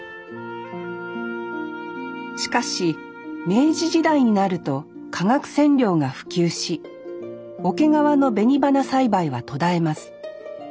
しかし明治時代になると化学染料が普及し桶川の紅花栽培は途絶えます。